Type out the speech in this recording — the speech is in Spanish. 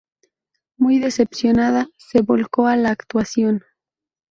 Muy decepcionada, se volcó a la actuación.